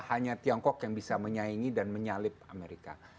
hanya tiongkok yang bisa menyaingi dan menyalip amerika